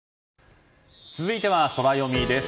続いてはソラよみです。